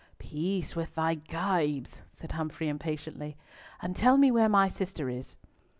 "Peace with thy gibes," said Humfrey impatiently, "and tell me where my sister is."